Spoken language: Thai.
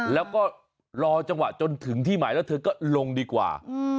แล้วก็รอจังหวะจนถึงที่หมายแล้วเธอก็ลงดีกว่า